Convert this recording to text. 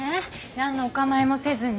何のお構いもせずに。